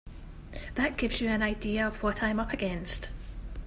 That gives you an idea of what I'm up against.